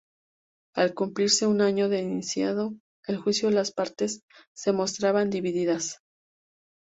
Al cumplirse un año de iniciado el juicio las partes se mostraban divididas.